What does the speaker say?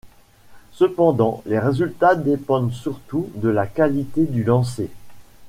Cependant, les résultats dépendent surtout de la qualité du lancer.